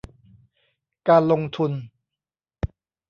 การลงทุน